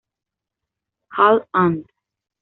Hal., "Ant.